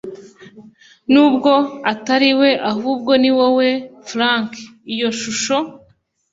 nubwo atari we ahubwo ni wowe, frank, iyo shusho